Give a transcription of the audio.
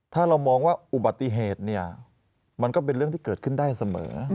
ถ้าเรามองว่าอุบัติเหตุเนี่ยมันก็เป็นเรื่องที่เกิดขึ้นได้เสมอ